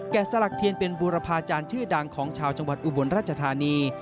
สลักเทียนเป็นบูรพาจารย์ชื่อดังของชาวจังหวัดอุบลราชธานี